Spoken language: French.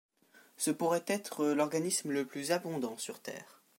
Ce pourrait être l'organisme le plus abondant sur Terre.